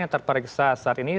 yang terperiksa saat ini